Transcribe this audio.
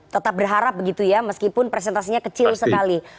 tetap berharap begitu ya meskipun presentasinya kecil sekali